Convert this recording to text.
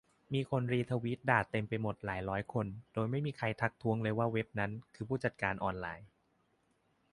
มีคนรีทวิตด่าเต็มไปหมดหลายร้อยคน โดยไม่มีใครทักท้วงเลยว่าเว็บนั้น คือ ผู้จัดการออนไลน์